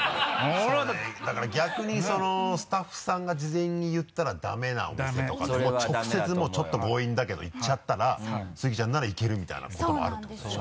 そうねだから逆にスタッフさんが事前に言ったらダメなお店とかでも直接ちょっと強引だけど行っちゃったらスギちゃんならいけるみたいなこともあるってことでしょ？